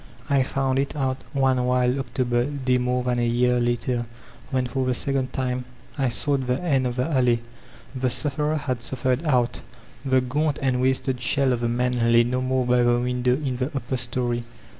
I found it out one wiM October day more than a year hter, when for the second time I sought the end of the alley. The sufferer had ''suffered ouf*; the gaunt and wasted shell of the man lay no more by the window in the upper story.